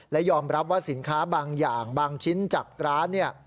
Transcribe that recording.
และยอมรับว่าสินค้าบางอย่างบางชิ้นจากร้านเนี่ย